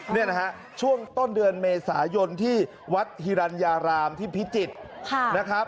นี่นะฮะช่วงต้นเดือนเมษายนที่วัดฮิรัญญารามที่พิจิตรนะครับ